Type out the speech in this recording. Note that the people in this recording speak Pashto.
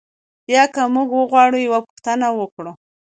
بیا که موږ وغواړو یوه پوښتنه وکړو.